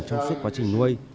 trong suốt quá trình nuôi